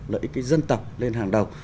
lợi ích cái dân tộc lên hàng đầu